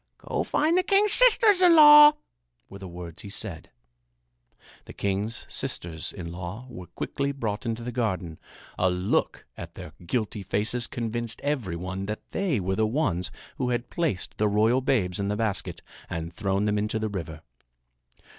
"Go find the king's sisters in law," were the words he said. The king's sisters in law were quickly brought into the garden. A look at their guilty faces convinced every one that they were the ones who had placed the royal babes in the basket and had thrown them into the river.